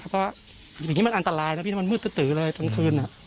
เพราะอยู่ตรงนี้มันอันตรายมันมืดตรึกเลยตอนกลางคืน